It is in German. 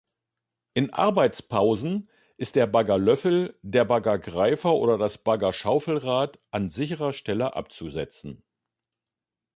In Arbeitspausen ist der Baggerlöffel, der Baggergreifer oder das Baggerschaufelrad an sicherer Stelle abzusetzen.